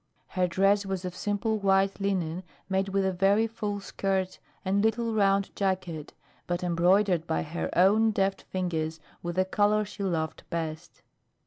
Her dress was of simple white linen made with a very full skirt and little round jacket, but embroidered by her own deft fingers with the color she loved best.